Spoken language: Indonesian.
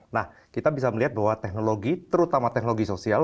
nah kita bisa melihat bahwa teknologi terutama teknologi sosial